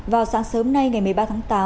vào sáng sớm nay ngày một mươi ba tháng tám